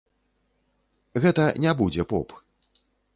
Гэта не будзе поп.